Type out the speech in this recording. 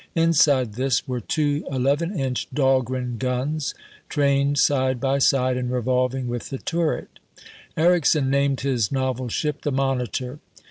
Inside this were two 11 iuch DahlgTen guns, trained side by side and revolving with the turret. Ericsson named his novel ship the Monitor.